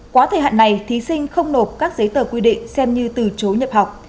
quá thời hạn này thí sinh không nộp các giấy tờ quy định xem như từ chối nhập học